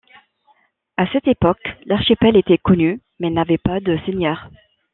À cette époque, l'archipel était connu, mais n'avait pas de seigneur.